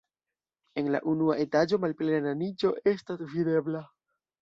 En la unua etaĝo malplena niĉo estas videbla.